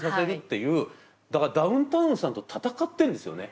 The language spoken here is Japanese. だからダウンタウンさんと戦ってるんですよね